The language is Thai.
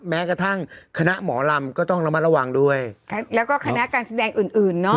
แม้กระทั่งคณะหมอลำก็ต้องระมัดระวังด้วยแล้วก็คณะการแสดงอื่นอื่นเนอะ